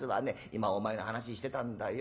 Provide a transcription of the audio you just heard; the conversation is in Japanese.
今お前の話してたんだよ。